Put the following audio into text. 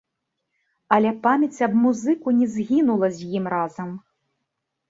Але памяць аб музыку не згінула з ім разам.